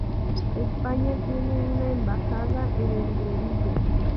España tiene una embajada en Libreville.